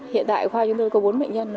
hiện tại khoa chúng tôi có bốn bệnh nhân